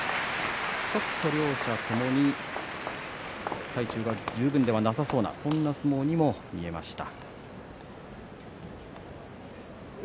ちょっと両者とも体調が十分でなさそうなそんな様子に見えました。